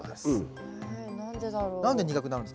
え何でだろう？